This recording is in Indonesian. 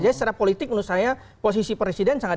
jadi secara politik menurut saya posisi presiden sangat